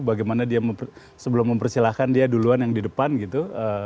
bagaimana dia sebelum mempersilahkan dia duluan yang di depan gitu